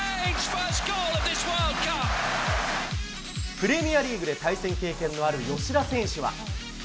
プレミアリーグで対戦経験のある吉田選手は。